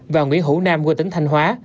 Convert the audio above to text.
và nguyễn hữu nam quê tính thanh hóa